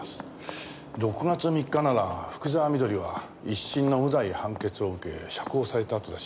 ６月３日なら福沢美登里は一審の無罪判決を受け釈放されたあとだし。